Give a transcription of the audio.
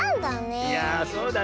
いやあそうだね。